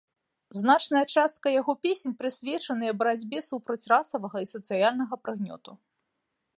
Значная частка яго песень прысвечаныя барацьбе супраць расавага і сацыяльнага прыгнёту.